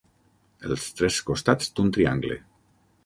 Els tres costats d'un triangle.